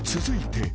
続いて］